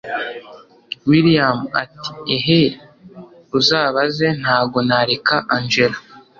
william ati ehee uzabaze ntago nareka angella